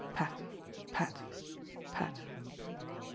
Pat! Pat! Pat!